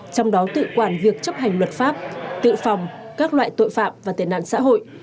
trong đó tự quản việc chấp hành luật pháp tự phòng các loại tội phạm và tiền nạn xã hội